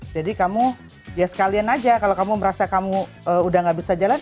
jadi kamu ya sekalian aja kalau kamu merasa kamu udah gak bisa jalan